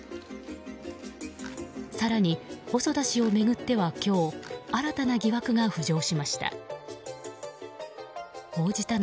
更に、細田氏を巡っては今日新たな疑惑が浮上しました。